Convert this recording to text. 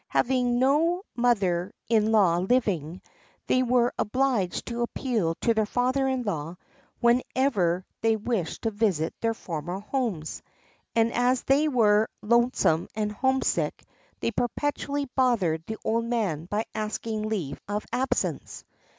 Having no mother in law living, they were obliged to appeal to their father in law whenever they wished to visit their former homes, and as they were lonesome and homesick they perpetually bothered the old man by asking leave of absence.